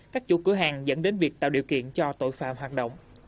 các chủ cửa hàng dẫn đến việc tạo điều kiện cho tội phạm hoạt động